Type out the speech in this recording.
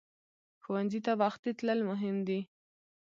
ښوونځی ته وختي تلل مهم دي